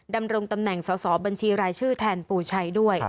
ดำรงตำแหน่งสอสอบัญชีรายชื่อแทนปูชัยด้วย